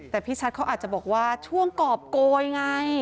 แต่พี่ชัดเขาอาจจะบอกว่าช่วงกรอบโกยไง